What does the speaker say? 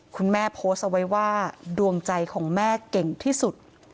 โพสต์เอาไว้ว่าดวงใจของแม่เก่งที่สุด